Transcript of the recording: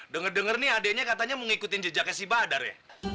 dengar dengar nih adeknya katanya mau ngikutin jejaknya si badar ya